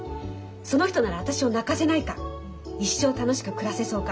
その人なら私を泣かせないか。一生楽しく暮らせそうか。